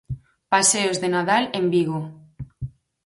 Paseos de Nadal en Vigo.